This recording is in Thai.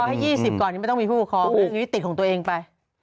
รอให้๒๐ก่อนไม่ต้องมีผู้คอมันคือวิติของตัวเองไป